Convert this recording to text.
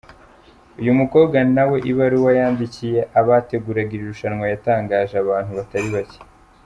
Uyu mukobwa nawe ibaruwa yandikiye abateguraga iri rushanwa yatangaje abantu batari bake.